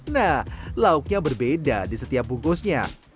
nah lauknya berbeda di setiap bungkusnya